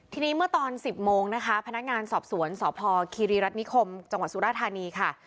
ทีนี้เมื่อตอน๑๐โมงนะคะพนักงานสอบสวนสพคีรีรัฐนิคมจังหวัดสุราธานีค่ะ